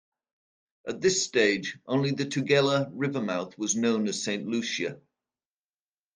At this stage, only the Tugela River mouth was known as Saint Lucia.